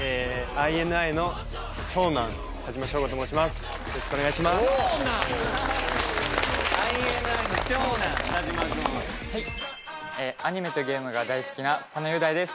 ＩＮＩの長男田島君ははいアニメとゲームが大好きな佐野雄大です